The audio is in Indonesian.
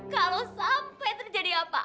kalau sampai terjadi apa